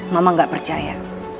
mama gak percaya